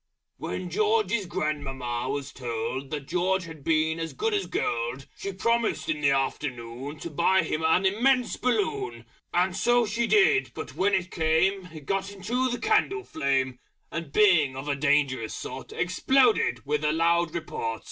_ When George's Grandmamma was told That George had been as good as Gold, She Promised in the Afternoon To buy him an Immense BALLOON. And so she did; but when it came, It got into the candle flame, And being of a dangerous sort Exploded with a loud report!